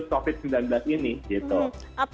atau seperti orang yang kecil